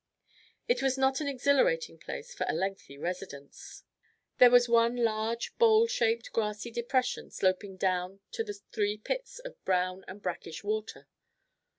It was not an exhilarating place for a lengthy residence. There was one large, bowl shaped, grassy depression sloping down to the three pits of brown and brackish water.